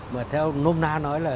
mà theo nôm na nói là